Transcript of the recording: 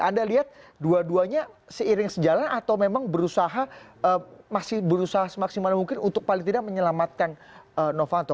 anda lihat dua duanya seiring sejalan atau memang berusaha masih berusaha semaksimal mungkin untuk paling tidak menyelamatkan novanto